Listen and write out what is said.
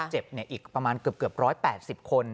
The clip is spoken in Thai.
เจ็บอีกประมาณเกือบ๑๘๐คน